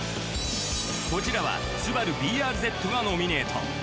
こちらはスバルＢＲＺがノミネート。